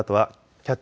「キャッチ！